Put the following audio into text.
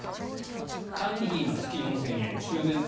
管理費月４０００円修繕積